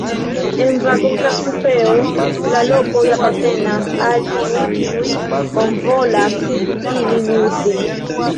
En vagona kupeo la lokoj apartenas al tiuj, kiuj bonvolas ilin uzi.